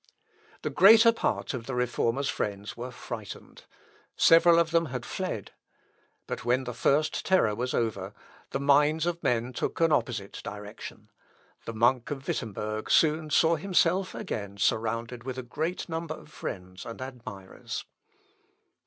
The greater part of the Reformer's friends were frightened. Several of them had fled. But when the first terror was over, the minds of men took an opposite direction. The monk of Wittemberg soon saw himself again surrounded with a great number of friends and admirers.